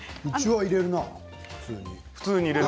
うちは入れるな普通に。